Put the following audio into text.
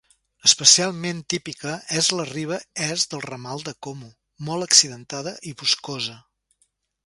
Especialment típica és la riba est del ramal de Como, molt accidentada i boscosa.